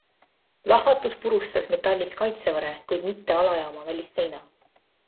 Plahvatus purustas metallist kaitsevõre, kuid mitte alajaama välisseina.